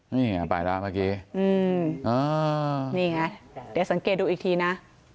นี่ไงไปแล้วเมื่อกี้นี่ไงเดี๋ยวสังเกตดูอีกทีนะ